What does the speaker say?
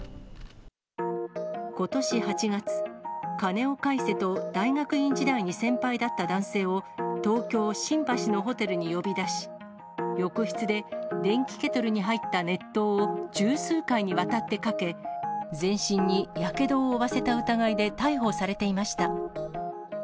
ことし８月、金を返せと大学院時代に先輩だった男性を、東京・新橋のホテルに呼び出し、浴室で電気ケトルに入った熱湯を十数回にわたってかけ、全身にやけどを負わせた疑いで逮捕されていました。